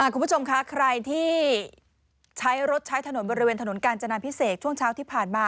คุณผู้ชมคะใครที่ใช้รถใช้ถนนบริเวณถนนกาญจนาพิเศษช่วงเช้าที่ผ่านมา